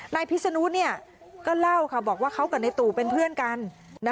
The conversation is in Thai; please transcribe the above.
ในพิษนุก็เล่าค่ะบอกว่าเขากันในตู่เป็นเพื่อนกันนะคะ